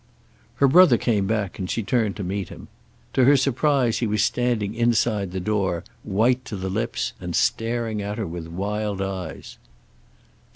Her brother came back, and she turned to meet him. To her surprise he was standing inside the door, white to the lips and staring at her with wild eyes.